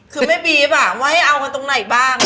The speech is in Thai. คือไหมบี๊บอ่ะว่าให้เอากันตรงไหนบ้าง